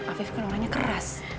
afif kan orangnya keras